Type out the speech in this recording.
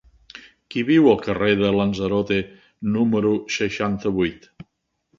Qui viu al carrer de Lanzarote número seixanta-vuit?